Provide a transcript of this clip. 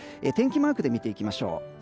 天気マークで見ていきましょう。